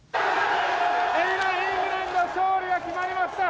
今、イングランドの勝利が決まりました。